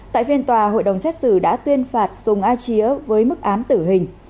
tại phiên tòa hội đồng xét xử đã tuyên phạt sùng a chía với mức án tử hình